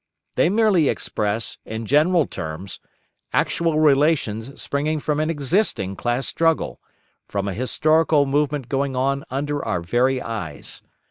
They merely express, in general terms, actual relations springing from an existing class struggle, from a historical movement going on under our very eyes.